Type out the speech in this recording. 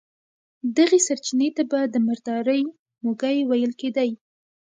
دغې سرچينې ته به د مردارۍ موږی ويل کېدی.